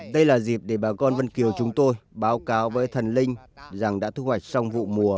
đây là dịp để bà con vân kiều chúng tôi báo cáo với thần linh rằng đã thu hoạch xong vụ mùa